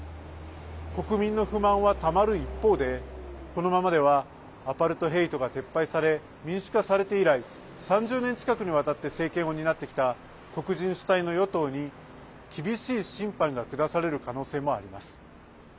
国民の不満は、たまる一方でこのままではアパルトヘイトが撤廃され民主化されて以来３０年近くにわたって政権を担ってきた黒人主体の与党に厳しい審判が下される可能性もあります。